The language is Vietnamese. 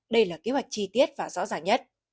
đây là kế hoạch chi tiết và rõ ràng nhất